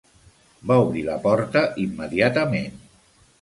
Va obrir la porta immediatament.